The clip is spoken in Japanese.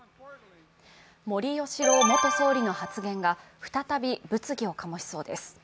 森喜朗元総理の発言が再び物議を醸しそうです。